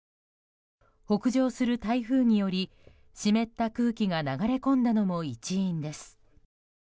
北上する台風により湿った空気が流れ込んだのも一因です。